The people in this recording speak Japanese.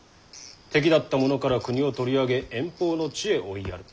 敵だった者から国を取り上げ遠方の地へ追いやる。